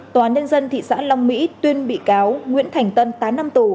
tòa án nhân dân thị xã long mỹ tuyên bị cáo nguyễn thành tân tám năm tù